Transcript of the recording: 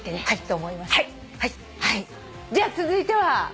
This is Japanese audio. じゃ続いては。